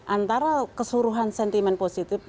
antara keseluruhan sentimen positif